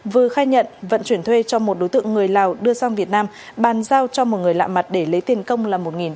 vừa khai nhận vận chuyển thuê cho một đối tượng người lào đưa sang việt nam bàn giao cho một người lạ mặt để lấy tiền công là một đồng